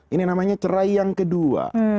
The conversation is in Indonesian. ini namanya cerai yang kedua